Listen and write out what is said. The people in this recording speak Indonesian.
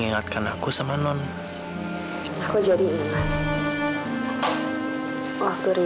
dan terutama saat ini